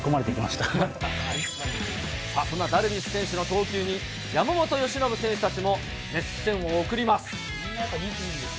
そんなダルビッシュ選手の投球に、山本由伸選手たちも熱視線を送ります。